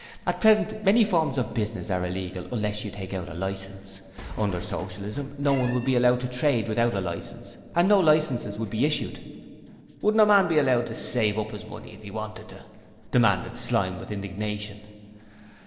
At present many forms of business are illegal unless you take out a licence; under Socialism no one would be allowed to trade without a licence, and no licences would be issued.' 'Wouldn't a man be allowed to save up his money if he wanted to, demanded Slyme with indignation.